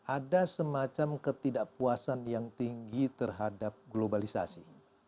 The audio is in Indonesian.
ada semacam ketidakpuasan yang tinggi terhadap globalisasi